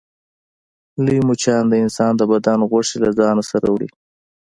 لوی مچان د انسان د بدن غوښې له ځان سره وړي